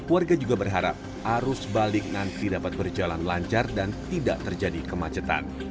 warga juga berharap arus balik nanti dapat berjalan lancar dan tidak terjadi kemacetan